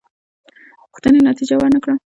غوښتنې نتیجه ورنه کړه.